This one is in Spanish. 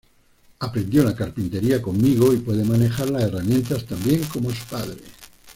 Aprendió la carpintería conmigo y puede manejar las herramientas tan bien como su padre.